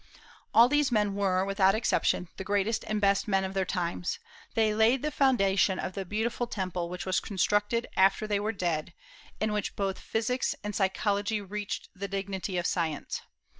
All these men were, without exception, the greatest and best men of their times. They laid the foundation of the beautiful temple which was constructed after they were dead, in which both physics and psychology reached the dignity of science.